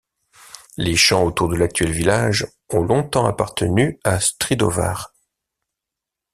Les champs autour de l'actuel village ont longtemps appartenu à Stridóvár.